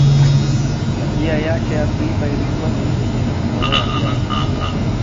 Tabia yake ya kuiba ilikuwa imezidi na kukolea ajabu